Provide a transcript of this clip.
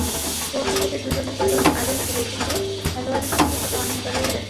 Coach হিসেবে দুজনের দ্বৈরথ আজই শুরু, কিন্তু খেলোয়াড়ী জীবনে সেটা অনেকবারই হয়েছে।